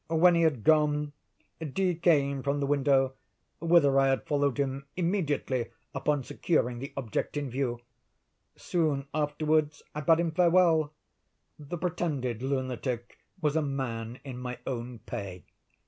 When he had gone, D—— came from the window, whither I had followed him immediately upon securing the object in view. Soon afterwards I bade him farewell. The pretended lunatic was a man in my own pay."